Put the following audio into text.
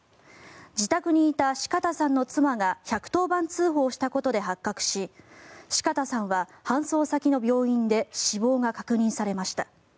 自宅にいた四方さんの妻が１１０番通報したことで発覚し四方さんは搬送先の病院で死亡が確認されました。